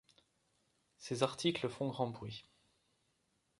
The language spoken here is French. Ses articles font grands bruits.